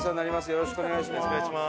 よろしくお願いします。